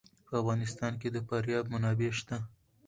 په افغانستان کې د فاریاب منابع شته.